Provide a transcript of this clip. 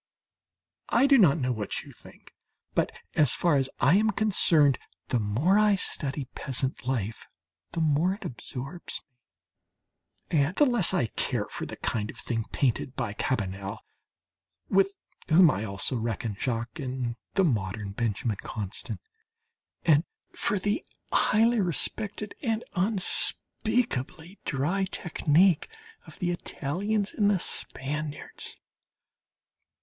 ...I do not know what you think, but as far as I am concerned, the more I study peasant life, the more it absorbs me, and the less I care for the kind of thing painted by Cabanel (with whom I also reckon Jacques and the modern Benjamin Constant) and for the highly respected and unspeakably dry technique of the Italians and the Spaniards.